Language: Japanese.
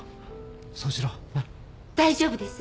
大丈夫です。